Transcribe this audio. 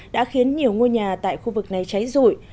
đã khiến nhiều ngôi nhà tại khu vực này cháy rụi